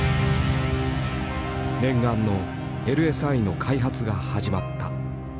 念願のＬＳＩの開発が始まった。